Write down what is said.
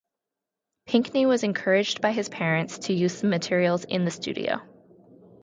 Pinkney was encouraged by his parents to use the materials in the studio.